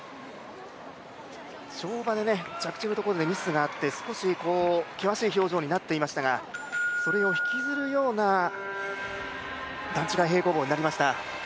跳馬で着地のところでミスがあって少し、険しい表情になっていましたが、それを引きずるような段違い平行棒になりました。